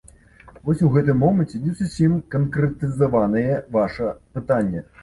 Вось у гэтым моманце не зусім канкрэтызаванае ваша пытанне.